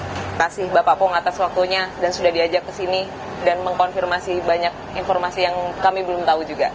terima kasih bapak pong atas waktunya dan sudah diajak ke sini dan mengkonfirmasi banyak informasi yang kami belum tahu juga